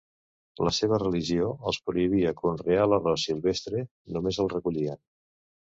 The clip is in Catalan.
La seva religió els prohibia conrear l'arròs silvestre, només el recollien.